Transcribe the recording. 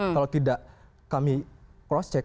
kalau tidak kami cross check